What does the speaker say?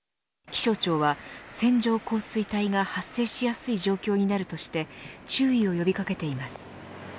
気象庁は、線状降水帯が発生しやすい状況になるとして注意を呼び掛けています。